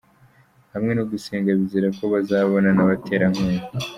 Hamwe no gusenga, bizera ko bazabona n’abaterankunga.